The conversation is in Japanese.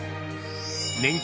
［年間